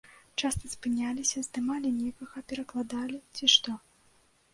Часта спыняліся, здымалі некага, перакладалі, ці што.